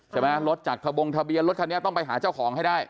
รถจากทะบงทะเบียนรถคันนี้ต้องไปหาเจ้าของให้ได้